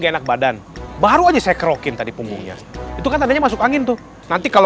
kayak enak badan baru aja saya kerokin tadi punggungnya itu kan adanya masuk angin tuh nanti kalau